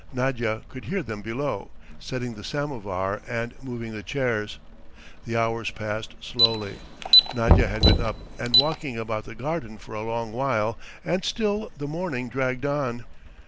Nadya could hear them below, setting the samovar and moving the chairs. The hours passed slowly, Nadya had been up and walking about the garden for a long while and still the morning dragged on.